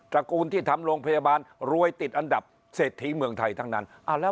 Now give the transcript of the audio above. ระกูลที่ทำโรงพยาบาลรวยติดอันดับเศรษฐีเมืองไทยทั้งนั้น